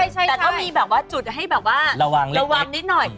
แต่ก็มีแบบว่าจุดให้แบบว่าระวังนิดหน่อย